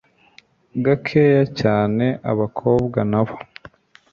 gakeya cyane abakobwa nabo